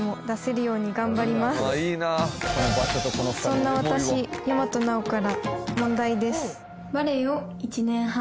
「そんな私大和奈央から問題です」